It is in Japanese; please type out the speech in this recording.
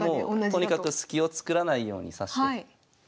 とにかくスキを作らないように指して。